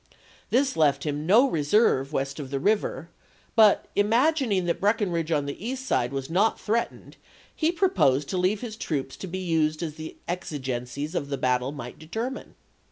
This left him no reserve west of the river but, imagining that Breck inridge on the east side was not threatened, he proposed to leave his troops to be used as the exigencies of the battle might determine.